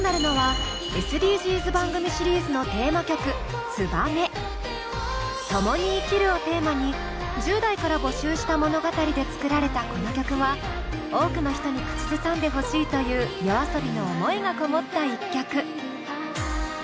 鍵となるのは「ともに生きる」をテーマに１０代から募集した物語で作られたこの曲は多くの人に口ずさんでほしいというＹＯＡＳＯＢＩの思いがこもった１曲。